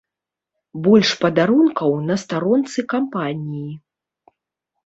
Больш падарункаў на старонцы кампаніі.